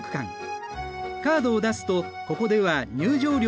カードを出すとここでは入場料が半額に。